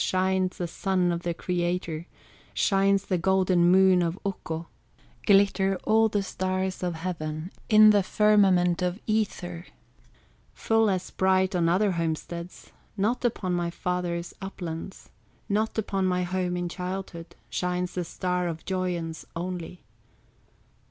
Shines the Sun of the Creator, Shines the golden Moon of Ukko, Glitter all the stars of heaven, In the firmament of ether, Full as bright on other homesteads; Not upon my father's uplands, Not upon my home in childhood, Shines the Star of Joyance only.